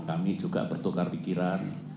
kami juga bertukar pikiran